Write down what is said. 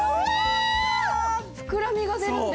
膨らみが出るんですね。